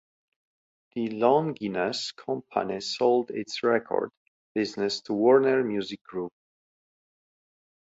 The Longines company sold its record business to Warner Music Group.